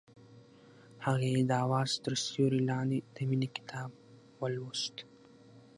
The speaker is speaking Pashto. هغې د اواز تر سیوري لاندې د مینې کتاب ولوست.